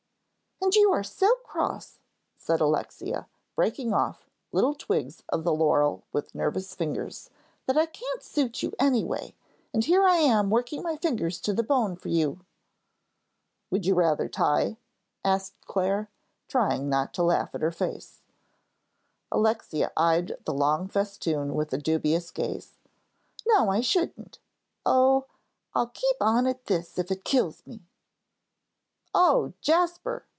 "And you are so cross," said Alexia, breaking off little twigs of the laurel with nervous fingers, "that I can't suit you any way, and here I am working my fingers to the bone for you." "Would you rather tie?" asked Clare, trying not to laugh at her face. Alexia eyed the long festoon with a dubious gaze. "No, I shouldn't. Oh, I'll keep on at this if it kills me." "Oh, Jasper!"